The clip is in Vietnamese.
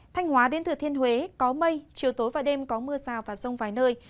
thanh hóa đến thừa thiên huế có mây chiều tối và đêm có mưa rào và rông vài nơi